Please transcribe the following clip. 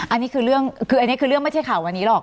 อันนี้คือเรื่องคืออันนี้คือเรื่องไม่ใช่ข่าววันนี้หรอก